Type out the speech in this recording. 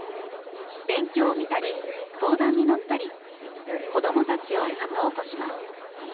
勉強を見たり相談に乗ったり子どもたちをサポートします。